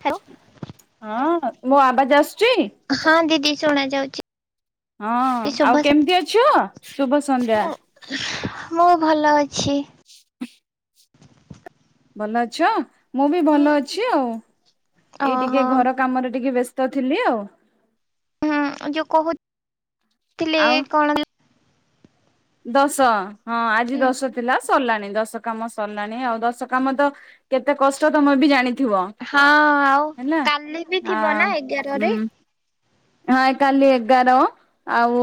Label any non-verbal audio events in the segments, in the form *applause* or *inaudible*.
Hello. ହଁ ମୋ ଆବାଜ୍ ଆସୁଚି? ହଁ ଦିଦି ଶୁଣା ଯାଉଚି। ହଁ ଆଉ କେମିତି ଅଛ ଶୁଭ ସନ୍ଧ୍ୟା। ମୁଁ ମୁଁ ଭଲ ଅଛି। ଭଲ ଅଛ? ମୁଁ ବି ଭଲ ଅଛି ଆଉ। ଏଇ ଓହୋ ଟିକେ ଘର କାମରେ ଟିକେ ବ୍ୟସ୍ତ ଥିଲି ଆଉ। ହୁଁ। ଏ ଯୋଉ କହୁଥିଲି ଆଉ କଣ? ଦଶ। ହଁ ଆଜି ଦଶ ଥିଲା ସରିଲାଣି। ଦଶ କାମ ସରିଲାଣି ଆଉ। ଦଶ କାମ ତ କେତେ କଷ୍ଟ ତମେ ବି ଜାଣିଥିବ। ହଁ ଆଉ, ହେଲା କାଲି ବି ଆ ଥିବ ନା ହୁଁ ଏଗାରରେ? ହଁ କାଲି ଏଗାର। ଆଉ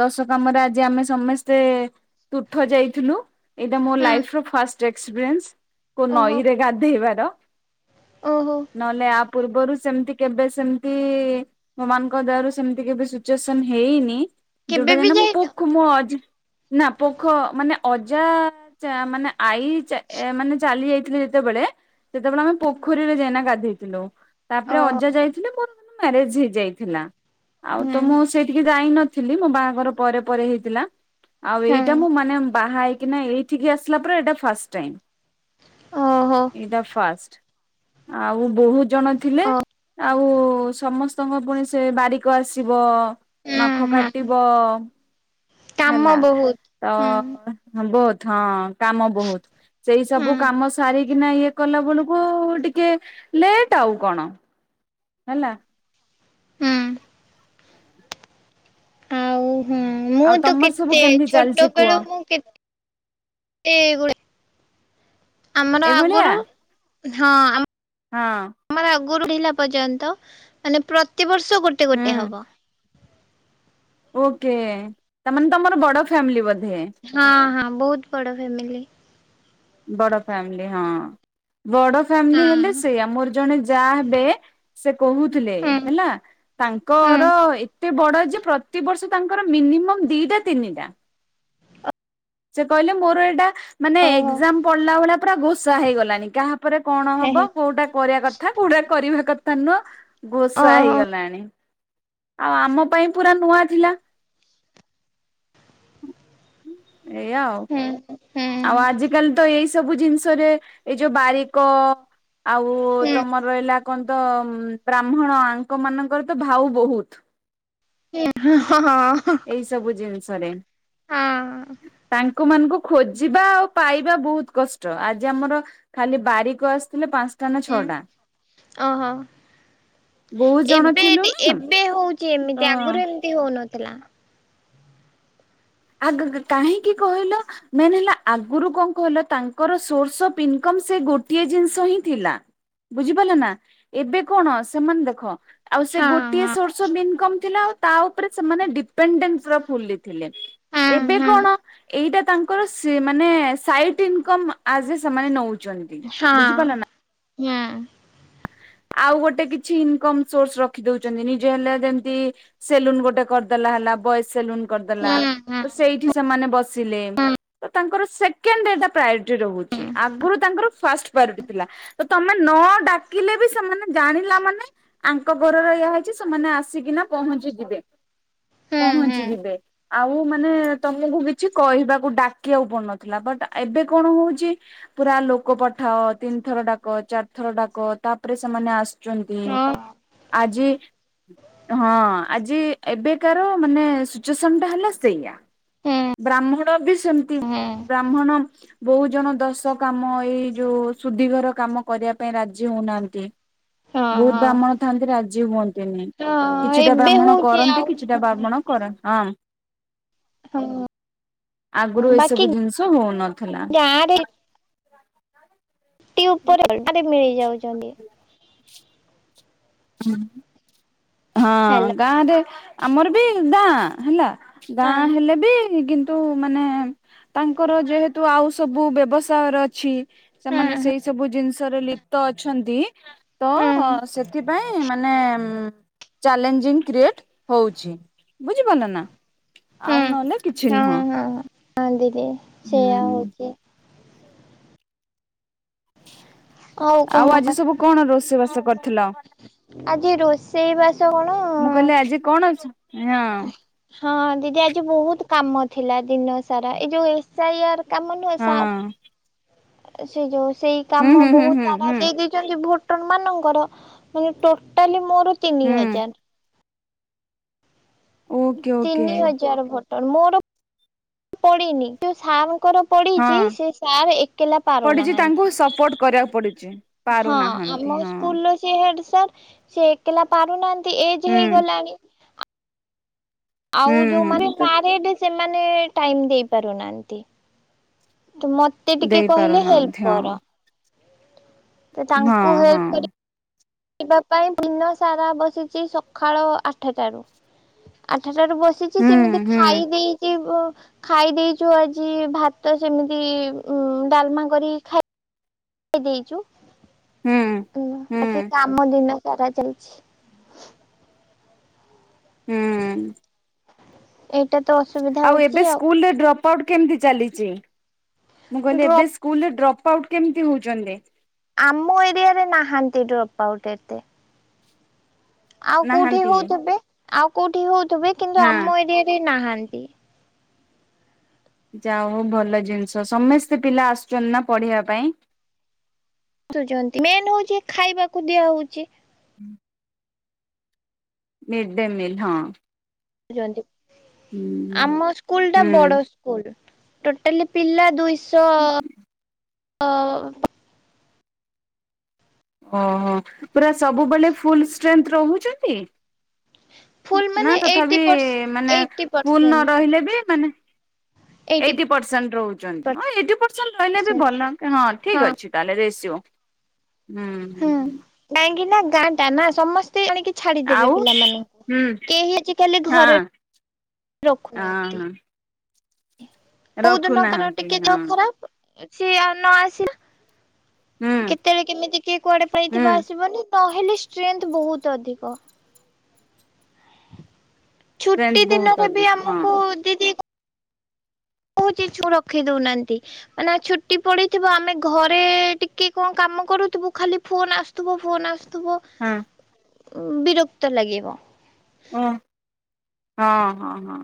ଦଶ କାମରେ ଆଜି ଆମେ ସମସ୍ତେ ତୁଠ ଯାଇଥିଲୁ। ଏଇଟା ମୋ ହୁଁ ଲାଇଫର ଫାଷ୍ଟ ଏକ୍ସପିରିଏନ୍ସ। କୋଉ ଓହୋ ନଈରେ ଗାଧେଇବାର ଓହୋ ନହେଲେ ଆ ପୂର୍ବରୁ ସେମିତି କେବେ ସେମିତି ଭଗବାନଙ୍କ ଦୟାରୁ ସେମିତି କେବେ ସିଚୁଏସନ ହେଇନି। କେବେ ଯୋଉଟା ବି ଯାଇନ? *inaudible* ନା ପୋଖ ମାନେ ଅଜା ଜା ମାନେ ଆଈ ଚା ଏୟା ମାନେ ଚାଲି ଯାଇଥିଲେ ଯେତେବେଳେ ସେତେବେଳେ ଆମେ ପୋଖରୀରେ ଯାଇନା ଗାଧେଇଥିଲୁ। ଓ ତାପରେ ଅଜା ଯାଇଥିଲେ ମୋର ମ୍ୟାରେଜ ହେଇଯାଇଥିଲା। ଆଉ ହୁଁ ତ ମୁଁ ସେଇଠିକି ଯାଇନ ଥିଲି। ମୋ ବାହାଘର ପରେ ପରେ ହେଇଥିଲା। ଆଉ ହୁଁ ଏଇଟା ମୁଁ ମାନେ ବାହା ହେଇ କି ନା ଏଇଠିକି ଆସିଲା ପରେ ଏଇଟା ଫାଷ୍ଟ ଟାଇମ୍। ଓହୋ ଏଇଟା ଫାଷ୍ଟ। ଆଉ ବହୁତ ଜଣ ଥିଲେ ଓ ଆଉ ସମ ସ୍ତଙ୍କ ପୁଣି ସେ ବାରିକ ଆସିବ ହୁଁ ନଖ ହୁଁ କାଟିବ କାମ ହେଲା ବହୁତ ତ ହୁଁ ହ ବହୁତ ହଁ କାମ ବହୁତ। ସେଇ ହୁଁ ସବୁ କାମ ସାରିକିନା ଇଏ କଲା ବେଳକୁ ଟିକେ ଲେଟ୍ ଆଉ କଣ? ହେଲା। ହୁଁ ଆଉ ହୁଁ। ମୁଁ ଆଉ ତ ତମର ସବୁ କେତେ କେମିତି ଛୋଟ ଚାଲିଛି କୁହ ବେଳୁ ମୁଁ କେତେ ତେଗୁଡେ, ଆମର ଏଇଭଳିଆ ଆଗୁରୁ। ହଁ ଆମ ହଁ ଆମର ଆଗରୁହେଲା ପର୍ଯ୍ୟନ୍ତ ମାନେ ପ୍ରତିବର୍ଷ ଗୋଟେ ହୁଁ ଗୋଟେ ହବ। ଓକେ। ତାମାନେ ତମର ବଡ ଫ୍ୟାମିଲି ବୋଧେ। ହଁ ହଁ। ବହୁତ ବଡ ଫ୍ୟାମିଲି। ବଡ ଫ୍ୟାମିଲି ହଁ। ବଡ ଫ୍ୟାମିଲି ହେଲେ ହଁ ସେଇଆ। ମୋର ଜଣେ ଯା ହେବେ ସେ କହୁଥିଲେ, ହେଲା ହୁଁ ତାଙ୍କର ଏ ତେ ବଡ ଯେ ପ୍ରତିବର୍ଷ ତାଙ୍କର ମିନିମମ୍ ଦିଟା, ତିନିଟା। ସେ କହିଲେ ମୋର ଏଟା ମାନେ ଓହୋ। ଏକ୍ସାମ ପଡିଲା ଭଳିଆ ପୁରା ଘୋଷା ହେଇଗଲାଣି। କାହାପରେ କଣ ହେ ହବ, ହେ କୋଉଟା କରିବା କଥା। କଥା। କୋଉଟା କରିବା କଥା ନୁହଁ ଘୋଷା ଓହୋ ହେଇଗଲାଣି। ଆଉ ଆମ ପାଇଁ ପୁରା ନୂଆ ଜିଲା। ଏଇଆ ଆଉ। ହୁଁ ହୁଁ ଆଉ ଆଜି ଏଇ ସବୁ ଜିନିଷରେ ଏଇ ଯୋଉ ବାରିକ, ଆଉ ହୁଁ ତମର ରହିଲା କଣ ତ ବ୍ରାହ୍ମଣ ଆଙ୍କ ମାନଙ୍କର ତ ଭାଉ ବହୁତ୍। ହଁ ଏଇ ସବୁ ଜିନିଷରେ। ତାଙ୍କ ମାନଙ୍କୁ ଖୋଜିବା ଆଉ ପାଇବା ବହୁତ କଷ୍ଟ। ଆଜି ଆମର ଖାଲି ବାରିକ ଆସିଥିଲେ ପାଞ୍ଚ ଟା ନା ହଁ। ଛଟା। ଓହୋ ବହୁତ ଜଣ ଏବେ ଥିଲୁ ନି ନା ଏବେ ହଉଛି ଏମିତି ତ। ଆଗରୁ ଏମିତି ହଉନଥିଲା। ଆଗଗ କାହିଁକି କହିଲ? ମେନ୍ ହେଲା ଆଗରୁ କଣ କହିଲ ତାଙ୍କର ସୋର୍ସ ଅଫ୍ ଇନକମ୍ ସେ ଗୋଟିଏ ଜିନିଷ ହି ଥିଲା। ବୁଝିପାରିଲ ନା ଏବେ କଣ ସେମାନେ ଦେଖ। ଆଉ ସେ ହଁ ଗୋଟିଏ ହଁ ସୋର୍ସ ଅଫ ଇନକମ୍ ଥିଲା ଆଉ ତା ଉପରେ ସେମାନେ ଡିପେେନ୍ସ ର ଫୁଲି ଥିଲେ। ହଁ ଏବେ ହଁ କଣ ଏଇଟା ତାଙ୍କର ସେ ମାନେ ସାଇଡ ଇନକମ ଅସ୍ ଏ ସେମାନେ ନଉ ହଁ ହୁଁ। ଆଉ ଗୋଟେ କିଛି ଇନକମ ସୋର୍ସ ରଖି ଦଉଛନ୍ତି ନିଜେ ହେଲେ ଯେମତି ସେଲୁନ୍ ଗୋଟେ କରିଦେଲା ହେଲା ବଏଜ ସେଲୁନ୍ ହୁଁ କରିଦେଲା ସେଇଠି ସେମାନେ ବସିଲେ ତାଙ୍କର ସେକେଣ୍ଡ ଆଇଟା ପ୍ରାଇଓ ରିଟି ରହୁଛି ଆଗରୁ ତାଙ୍କର ଫାଷ୍ଟ ପ୍ରାଇଓରିଟି ଥିଲା ତ ତମେ ନ ଥିଲେ ବି ସେମାନେ ଜାଣିଲା ମାନେ ଆଙ୍କ ଘରର ଏୟା ହେଇଛି ସେମାନେ ଆସିକିନା ପହଞ୍ଚିଯିବେ। ହୁଁ ହୁଁ ହୁଁ। ପହଞ୍ଚିଯିବେ। ଆଉ ମାନେ ତମକୁ କିଛି କହିବାକୁ ଡାକିବାକୁ ପଡୁନଥିଲା ବଟ ଏବେ କଣ ହଉଛି? ପୁରା ଲୋକ ପଠାଅ ତିନି ଥର ଡାକ ଚାରି ଥର ଡାକ ତାପରେ ସେମାନେ ଆସୁଛନ୍ତି ହଁ ଆଜି ହଁ ଆଜି ଏବେକାର ମାନେ ସିଚୁଏସନ ଟା ହେଲା ସେଇଆ। ବ୍ରାହ୍ମଣ ବି ସେମିତି ହଁ ବ୍ରାହ୍ମଣ ବହୁ ଜଣ ଦଶ କାମ ଏଇ ଯୋଉ ସୁଧିଘର କାମ କରିବା ପାଇଁ ରାଜି ହଉନାହାନ୍ତି। ହଁ ବହୁତ ହଁ ବ୍ରାହ୍ମଣ ଥାନ୍ତି ରାଜି ହୁଅନ୍ତିନି ହଁ କିଛିଟା ଏବେ ବ୍ରାହ୍ମଣ ହଉଛି କରନ୍ତି ଆଉ କିଛିଟା ବ୍ରାହ୍ମଣ କରନ ହଁ। ହୁଁ। ଆଗରୁ ଏସବୁ ଜିନିଷ ହଉନଥିଲା। ପୁଟି ଉପରେରେ ମିଳି ଯାଉଛନ୍ତି। ହଁ ହେଲୋ ଗାଁରେ ଆମର ବି ଗାଁ ହେଲା ହଁ ଗାଁ ହେଲେ ବି କିନ୍ତୁ କିନ୍ତୁ ମାନେ ତାଙ୍କର ଯେହେତୁ ଆଉ ସବୁ ବ୍ୟବସାୟର ଅଛି। ହଁ ସେମାନେ ସେଇ ସବୁ ଜିନିଷରେ ଲିପ୍ତ ଅଛନ୍ତି ତ ହଁ ସେଥିପାଇଁ ମାନେ ଚଲେଞ୍ଜିଂ କ୍ରିଏଟ ହଉଛି ବୁଝିପାରିଲ ନା? ଆଉ ହଁ ନହେଲେ କିଛି ହଁ ନୁହଁ। ହଁ ହଁ ଦିଦି ସେଇଆ ହୁଁ ହଉଛି। ହଉ କହ ଆଉ ଆଜି ସବୁ କଣ ରୋଷେଇବାସ କରି ଥିଲ ଆଜି ରୋଷେଇ ବାସ କଣ ମୁଁ କହିଲି ଆଜି କଣ ଅଛି ହଁ। ହଁ ଦିଦି ଆଜି ବହୁତ କାମ ଥିଲା ଦିନ ସାରା ଏ ଯୋଉ ସେ ୟାର କାମ ନୁହେଁ ହଁ ସାର୍ ସେ ଯୋଉ ସେଇ କାମ ହୁଁ ହୁଁ ହୁଁ ବହୁତ ହୁଁ ସାରା ହୁଁ ଦେଇ ଭୋଟର ମାନଙ୍କର ମାନେ ଟୋଟାଲି ମୋର ତିନି ହୁଁ ହଜାର। ଓକେ ଓକେ ତିନି ହଜାର ଭୋଟର ମୋର ପଡିିନି ସାର ଙ୍କର ପଡିଛି ହଁ ସେ ସାର୍ ଏକଲା ପଡିଛି ତାଙ୍କୁ ପାରୁନାହାନ୍ତି। ସପୋର୍ଟ କରିବାକୁ ପଡୁଛି। ହଁ ପାରୁନାହାନ୍ତି ଆମ ହଁ ସ୍କୁଲ ର ଯିଏ ହେଡ ସାର ସେ ଏକଲା ପାରୁନାହାନ୍ତି ଏଜ ହୁଁ ହେଇଗଲାଣି। ହୁଁ ଆଉ ଯୋଉ ମାନେ ହୁଁ ତ ମାରିଏଡ ସେମାନେ ଟାଇମ ଦେଇ ପାରୁନାହାନ୍ତି ତ ମତେ ମତେ ଟିକେ ଦେଇ କହିଲେ ପାରୁନାହାନ୍ତି ହେଲ୍ପ ହଁ କର। ତ ହଁ ତାଙ୍କୁ ହଁ ହେଲ୍ପ କରି କରିବା ପାଇଁ ଦିନ ସାରା ବସିଛି ସକାଳ ଆଠଟାରୁ ଆଠଟାରୁ ବସି ବସିଛି ସେମିତି ହୁଁ ହୁଁ ଖାଇ ଦେଇ ଖାଇ ଦେଇଛୁ ଆଜି ଭାତ ସେମିତି ଉମ ଡାଲମା କରି ଖାଇ ଦେଇଛୁ ହୁଁ ହୁଁ ବାକି କାମ ଦିନ ସାରା ଚାଲିଛି। ହୁଁ। ଏଇଟା ତ ଅସୁବିଧା ଆଉ ହଉଛି ଏବେ ଆଉ ସ୍କୁଲ ରେ ଡ୍ରପ୍ ପ ଆଉଟ୍ କେମିତି ଚାଲିଛି ମୁଁ କହିଲି ଡ୍ରପ ଏବେ ସ୍କୁଲରେ ଡ୍ରପ୍ ଆଉଟ୍ କେମତି ହଉଛନ୍ତି ଆମ ଏରିଆ ରେ ନାହାନ୍ତି ଡ୍ରପ୍ ଆଉଟ୍ ଏତେ ଆଉ କୋଉଠି ନାହାନ୍ତି ହଉଥିବେ ଆଉ କୋଉଠି ହଉଥିବେ କିନ୍ତୁ ହଁ ଆମ ଏରିଆରେ ନାହାନ୍ତି ଯା ହଉ ଭଲ ଜିନିଷ ସମସ୍ତେ ପିଲା ଆସୁଛନ୍ତି ନା ପଢିବା ପାଇଁ ଆସୁଛନ୍ତି ମେନ ହଉଛି ଖାଇବାକୁ ଦିଆ ହଉଛି ହୁଁ ମିଡ୍ ଡେ ମିଲ୍ ହଁ ହୁଁ ଆମ ସ୍କୁଲ ଟା ବଡ ହୁଁ ଟୋଟାଲ ପିଲା ଦୁଇଶହ ଓହୋ ପୁରା ସବୁବେଳେ ଫୁଲ ଷ୍ଟ୍ରେଥ ରହୁଛନ୍ତି ଫୁଲ ନା ମାନେ ଏଇଟି ତଥାପି ପରସେ ମାନେ ଏଇଟି ଫୁଲ ନ ପରସେଣ୍ଟ ରହିଲେ ବି ମାନେ ଏଇଟି ପରସେଣ୍ଟ ରହୁଛନ୍ତି ହଁ ଏଇଟି ପରସେଣ୍ଟ ରହିଲେ ବି ଭଲ ତାହେଲେ ହଁ ଠିକ ଅଛି ରେସିଓ ହୁଁ ହୁଁ। କାହିଁକି ନା ଗାଁ ଟା ନା ସମସ୍ତେ ଆଣିକି ଛାଡିଦେବେ ଆଉ ପିଲା ମାନଙ୍କୁ ହୁଁ କେହି ଆଜି କାଲି ଖାଲି ଘରେ ହଁ ହଁ ରଖୁନାହାନ୍ତି ହଁ କୋଉ ଦିନ କ ରଖୁନାହାନ୍ତି ଟିକେ ଦେହ ହଁ ଖରାପ ସିଏ ନ ଆସିଲା ହୁଁ କେତେବେଳେ କେମିତି କିଏ କୁଆଡେ ହୁଁ ପଲେଥିବ ଆସିବନି ତାହେଲେ ଷ୍ଟ୍ରେଥ ବହୁତ ଅଧିକ ଟ୍ରେଣ୍ଡ ଛୁଟି ବହୁତ ଦିନରେ ବି ଅଧିକ ହଁ ଆମକୁ ଦିଦି କହୁଛି ଛୁଆ ରଖି ଦଉନାହାନ୍ତି ମାନେ ଛୁଟି ପଡିଥିବ ଆମେ ଘରେ ଟିକେ କଣ କାମ କରୁଥିବୁ ଖାଲି ଫୋନ ଆସୁଥିବ ଫୋନ ଆସୁ ଥିବ ହଁ ବିରକ୍ତ ଲାଗିବ ହ ହଁ ହଁ ହଁ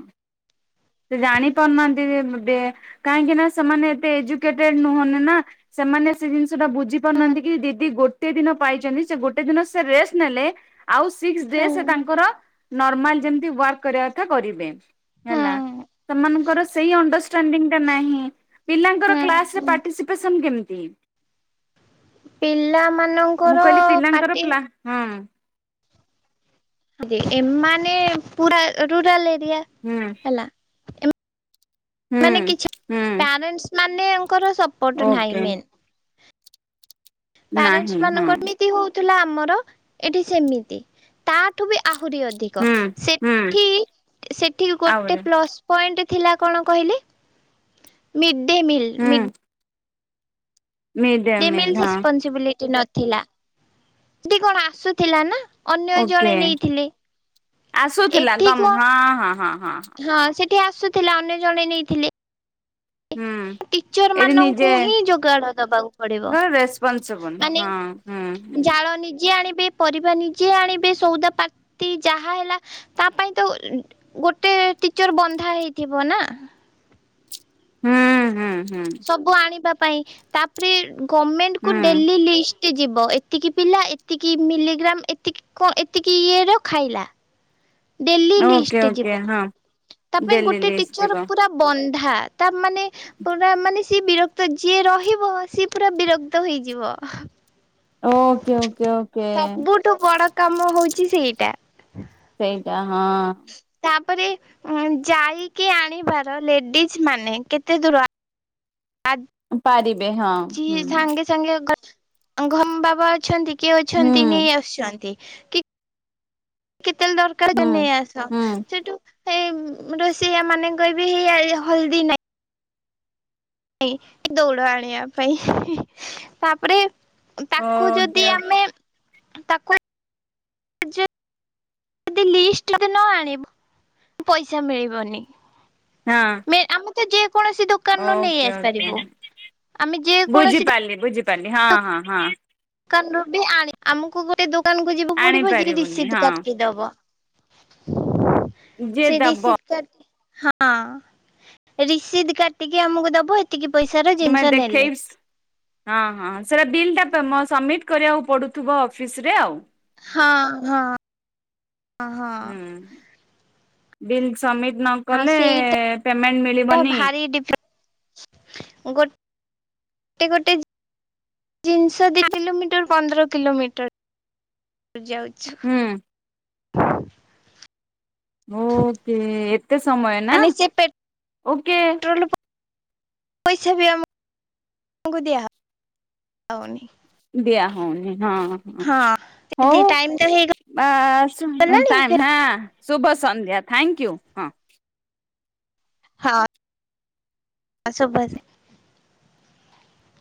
ସେ ଜାଣି ପାରୁନାହାନ୍ତି ଯେ କାହିଁକି ନା ସେମାନେ ଏତେ ଏଜୁକେଟେଡ ନୁହନ୍ତି ନା ସେମାନେ ସେ ଜିନିଷ ଟା ବୁଝି ହୁଁ ପାରୁନାହାନ୍ତି କି ଦିଦି ଗୋଟେ ଦିନ ପାଇଛନ୍ତି ସେ ଗୋଟେ ଦିନ ସେ ରେଷ୍ଟ ନେଲେ ଆଉ ସିକ୍ସ ଡେ ହୁଁ ସେ ତାଙ୍କର ନର୍ମାଲ ଯେମିତି ୱାର୍କ କରିବା କଥା କରିବେ ହୁଁ ହେଲା ସେମାନଙ୍କର ସେଇ ଅଣ୍ଡରଷ୍ଟାଣ୍ଡିଙ୍ଗ ଟା ନାହିଁ ପିଲାଙ୍କର ହୁଁ କ୍ଲାସ ରେ ହୁଁ ପାର୍ଟିସିପେସନ କେମିତି ମୁଁ ପିଲାମାନଙ୍କର କହିଲି ପିଲାଙ୍କର ପାଟି ପ୍ଲା ହଁ ଏମାନେ ପୁରା ରୁରାଲ ଏରିଆ ହୁଁ ହେଲା ହୁଁ ମାନେ କିଛି ହୁଁ ପ୍ୟାରେନଟ୍ସ ମାନେଙ୍କର ସପୋଟ ନାହିଁ ଓକେ ମେନ୍ ପ୍ୟାରେଣ୍ଟସ୍ ନାହିଁ ହଁ ମାନଙ୍କର ଏମିତି ହଉ ଥିଲା ଆମର ଏଠି ସେମିତି ତାଠୁ ବି ଆହୁରି ଅଧିକ ହୁଁ ହୁଁ ସେଠି ସେଠି ଗୋଟେ ଆହୁରି ପ୍ଲସ୍ ପଏଣ୍ଟ ଥିଲା କଣ କହିଲେ ମିଡ୍ ଡେ ମିଲ୍। ହୁଁ ମିଡ୍ ଡେ ମିଲ ମିଲ୍ ହଁ ରେଷ୍ପନ୍ସିବିଲିଟି ନଥିଲା ଏମିତି କଣ ଆସୁଥିଲା ନା। ଅନ୍ୟ ଜଣେ ଓକେ ନେଇଥିଲେ। ଆସୁଥିଲା ଏଠି ଗମ୍ କଣ ହଁ ହଁ ହଁ ହଁ। ହଁ ସେଠି ଆସୁଥିଲା ଅନ୍ୟ ଜଣେ ନେଇଥିଲେ। ହୁଁ। ଟିଚର ଏଇଠି ମାନଙ୍କୁ ନିଜେ ହିଁ ଯୋଗାଡ ଦବାକୁ ପଡିବ ରେସପନସିବୁଲ ମାନେ ହଁ ହୁଁ ହୁଁ। ଜାଳ ନିଜେ ଆଣିବେ ପରିବା ନିଜେ ଆଣିବେ ସଉଦା ପାତି ଯାହା ହେଲା ତା ପାଇଁ ତ ଗୋଟେ ଟିଚର ବନ୍ଧା ହେଇଥିବ ନା। ହୁଁ ହୁଁ ହୁଁ। ସବୁ ଆଣିବା ପାଇଁ ତାପରେ ଗମେଣ୍ଟକୁ ହୁଁ ଡେଲି ଲିଷ୍ଟ। ଯିବ ଏତିକି ପିଲା ଏତିକି ମିଲିଗ୍ରାମ ଏତିକି କଣ ଏତିକି ଇଏର ଖାଇଲା। ଡେଲି ଓକେ ଲିଷ୍ଟ୍ ଓକେ ଯିବ। ହଁ ତା ପାଇଁ ଡେଲି ଗୋଟେ ଲିଷ୍ଟ ଟିଚର ଯିବ। ପୁରା ବନ୍ଧା ତା ମାନେ ପୁରା ମାନେ ସି ବିରକ୍ତ ଯିଏ ରହିବ ସିଏ ପୁରା ବିରକ୍ତ ହେଇଯିବ। Okay okay okay. ଠୁ ବଡ କାମ ହଉଛି ସେଇଟା। ସେଇଟା ହଁ। ତାପରେ ଉ ଯାଇକି ଆଣିବାର ଲେଡିଜ ମାନେ କେତେ ଦୂର ଆ ପାରିବେ ହଁ ହୁଁ। ସାଙ୍ଗେ ଘମ ବାବା ଅଛନ୍ତି କିଏ ହୁଁ ଅଛନ୍ତି ନେଇ ଆସୁଛନ୍ତି କି କେତେବେଳେ ଦରକାର ହୁଁ ନେଇ ଆସ ହୁଁ ସେଠୁ ହେ ରୋଷେଇଆ ମାନେ କହିବେ ହେଇ ହଳଦୀ ନାହିଁ ନାଇ ଦୌଡ଼ ଆଣିବା ପାଇଁ। ତାପରେ ତାକୁ ଓକେ ଯଦି ଓକେ ଆମେ ତାକୁ ଯଦି ଲିଷ୍ଟ ନ ଆଣିବ ପଇସା ମିଳିବନି। ହଁ। ମେ ଆମେ ତ ଯେକୌଣସି ଦୋକ ଓକେ ଓକେ ଆମେ ଯେକୌଣସି ବୁଝିପାରିଲି ବୁଝିପାରିଲି ହଁ ହଁ ହଁ। ଦୋକାନରୁ ବି ଆଣି ଆମକୁ ଗୋଟେ ଦୋକାନକୁୁ ଯିବାକୁ ପଡିବ ଯେ ଆଣିପାରିବୁନି ରିସିଦ ହଁ। କାଟିକି ଦବ। ଯିଏ ସେ ଦବ ରିଶିଦ୍ ହଁ ରିସିଦ କାଟିକି ଆମକୁ ଦବ ଏତିକି ପଇସାର ତମେ ଜିନିଷ ନେଲେ। ଦେଖେଇ ହଁ ହଁ ସେଇଟା ବିଲ୍ ଟା ପ ମ ସବମିଟ କରିବାକୁ ପଡୁଥିବ ଅଫିସରେ ଆଉ। ହଁ ହଁ ହଁ। ହୁଁ ବିଲ୍ ସବମିଟ ନ ଆଉ କଲେ ସେଇଟା ପେମେଣ୍ଟ ମିଳିବନି। ଭାରି ଡିଫ ଗୋଟେ ଗୋଟେ ଗୋଟେ ଜିନିଷ ଦି କିଲୋମିଟର ପନ୍ଦର କିଲୋମିଟର। ଯାଉଛୁ। ହୁଁ। ଓକେ ଏତେ ସମୟ ନା ମାନେ ସେ ଓକେ। ପେଟ୍ରୋଲ ପଇସା ବି ଆମଙ୍କୁ *inaudible* ଦିଆହୋଉନି। ଦିଆହେଉନି ହଁ। ହ ହଁ ହଉ ଟାଇମ ତ ଆ ବସ୍ ହେଇଗଲାଣି ଟାଇମ ହଁ। ଶୁଭ ସନ୍ଧ୍ୟା ଥ୍ୟାଙ୍କ ୟୁ ହଁ। ହଁ ଶୁଭ *unintelligible*